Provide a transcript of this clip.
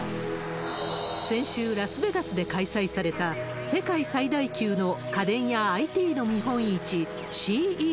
先週、ラスベガスで開催された、世界最大級の家電やＩＴの見本市、ＣＥＳ。